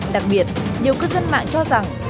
đặc biệt nhiều cư dân mạng cho rằng